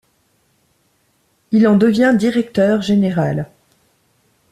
Il en devient directeur Général.